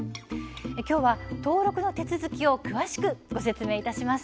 きょうは、登録の手続きを詳しくご説明いたします。